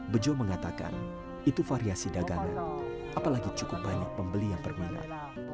bejo mengatakan itu variasi dagangan apalagi cukup banyak pembeli yang berminat